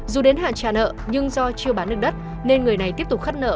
dù đến hạn trả nợ nhưng do chưa bán được đất nên người này tiếp tục khắt nợ